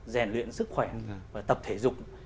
giàn luyện sức khỏe và tập thể dục